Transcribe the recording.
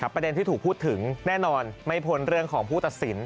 ประเด็นที่ถูกพูดถึงแน่นอนไม่พ้นเรื่องของผู้ตัดสิน